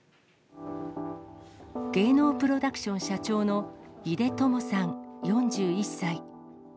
芸能プロダクション社長の井出智さん４１歳。